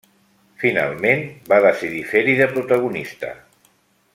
Finalment, va decidir fer-hi de protagonista.